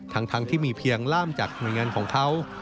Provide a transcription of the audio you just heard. ทั้งที่มีเพียงล่ามจากหน่วยงานของเขา